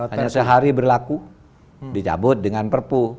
hanya sehari berlaku dicabut dengan perpu